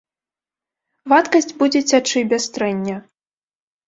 Вадкасць будзе цячы без трэння.